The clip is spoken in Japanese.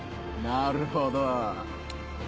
なるほど。